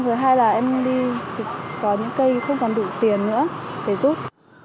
thứ hai là em đi có những cây không còn đủ tiền nữa để giúp